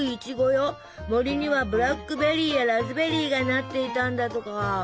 森にはブラックベリーやラズベリーがなっていたんだとか。